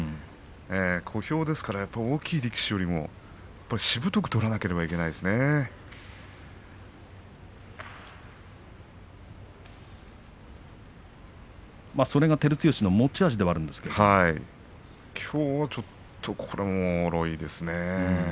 小兵ですから大きい力士よりもしぶとく相撲をそれが照強の持ち味でもきょうは少しもろかったですね。